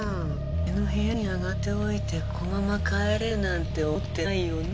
俺の部屋に上がっておいてこのまま帰れるなんて思ってないよね？